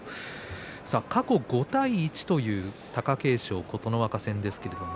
過去５対１という貴景勝、琴ノ若戦です。